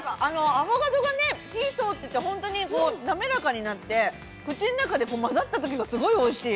アボカドが火が通ってて本当に滑らかになって、口の中でまざったときがすごくおいしい。